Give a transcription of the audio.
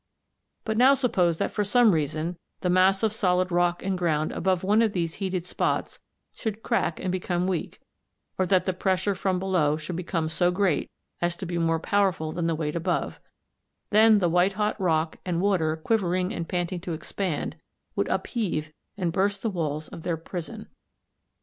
But now suppose that for some reason the mass of solid rock and ground above one of these heated spots should crack and become weak, or that the pressure from below should become so great as to be more powerful than the weight above, then the white hot rock and water quivering and panting to expand, would upheave and burst the walls of their prison.